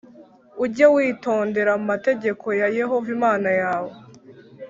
Ujye witondera amategeko ya Yehova Imana yawe,